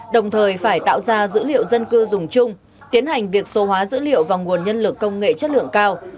đồng thời phải tạo ra dữ liệu dân cư dùng chung tiến hành việc số hóa dữ liệu và nguồn nhân lực công nghệ chất lượng cao